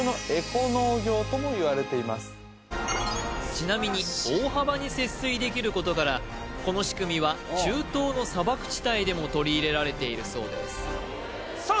ちなみに大幅に節水できることからこの仕組みは中東の砂漠地帯でも取り入れられているそうですさあ